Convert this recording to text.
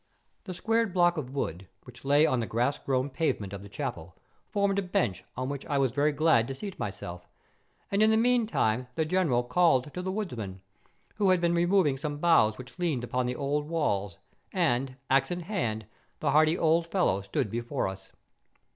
The squared block of wood, which lay on the grass grown pavement of the chapel, formed a bench on which I was very glad to seat myself, and in the meantime the General called to the woodman, who had been removing some boughs which leaned upon the old walls; and, axe in hand, the hardy old fellow stood before us.